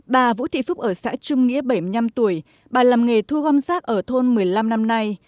bà vũ thị phúc ở xã trung nghĩa bảy mươi năm tuổi bà làm nghề thu gom rác ở thôn một mươi năm năm nay